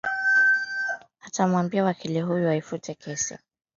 Abeid Karume atamwambia wakili huyo aifute kesi hiyo